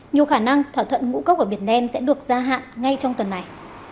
nhiều khả năng thỏa thuận ngũ cốc ở biển đen sẽ được gia hạn ngay trong tuần này